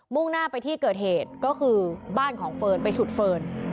่งหน้าไปที่เกิดเหตุก็คือบ้านของเฟิร์นไปฉุดเฟิร์น